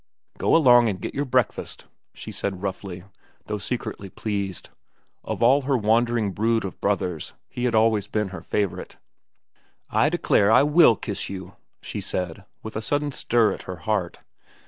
"Go along an' get your breakfast," she said roughly, though secretly pleased. Of all her wandering brood of brothers he had always been her favorite. "I declare I will kiss you," she said, with a sudden stir at her heart.